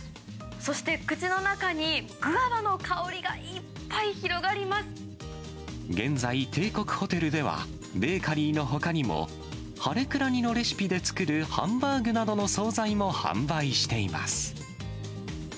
そして、口の中にグァバの香りが現在、帝国ホテルでは、ベーカリーのほかにも、ハレクラニのレシピで作るハンバーグなどの総菜も販売しています。